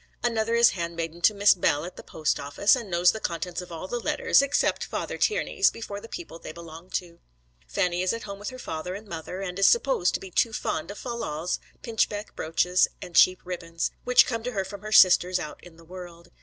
Another is handmaiden to Miss Bell at the post office, and knows the contents of all the letters, except Father Tiernay's, before the people they belong to. Fanny is at home with her father and mother, and is supposed to be too fond of fal lals, pinchbeck brooches and cheap ribbons, which come to her from her sisters out in the world.